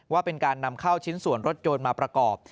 ว่าเป็นการนำเข้าชิ้นส่วนรถยนต์มาประกอบ